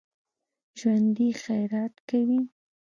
ژوندي خیرات کوي